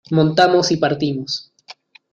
montamos y partimos.